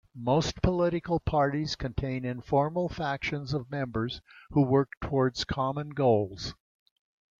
Most political parties contain informal factions of members who work towards common goals.